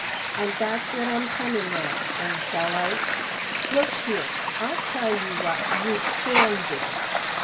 And that's what I'm coming at, old fellow. Look here, I'll tell you what we can do.